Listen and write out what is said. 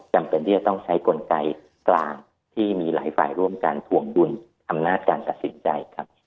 จำเป็นที่จะต้องใช้กลไกกลางที่มีหลายฝ่ายร่วมกันถ่วงดุลอำนาจการตัดสินใจครับ